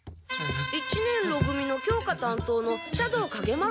一年ろ組の教科担当の斜堂影麿先生？